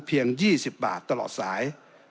เพียง๒๐บาทตลอดสาย